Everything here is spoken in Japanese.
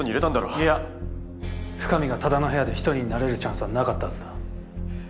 いや深水が多田の部屋で一人になれるチャンスはなかったはずだ。